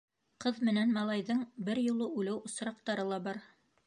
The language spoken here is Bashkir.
Ҡыҙ менән малайҙың бер юлы үлеү осраҡтары ла бар.